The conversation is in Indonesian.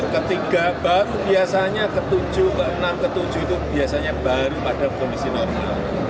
ketiga baru biasanya ke tujuh ke enam ke tujuh itu biasanya baru pada kondisi normal